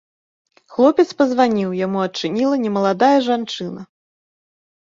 Хлопец пазваніў, яму адчыніла немаладая жанчына.